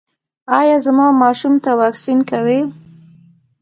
ایا زما ماشوم ته واکسین کوئ؟